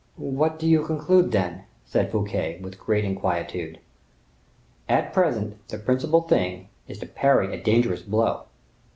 "What do you conclude, then?" said Fouquet, with great inquietude. "At present, the principal thing is to parry a dangerous blow."